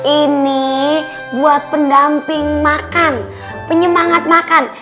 ini buat pendamping makan penyemangat makan